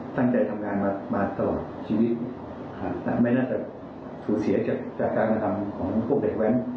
ตั้งใจทำงานมาตลอดชีวิตแต่ไม่น่าจะสูญเสียจากการกระทำของพวกเด็กแว้น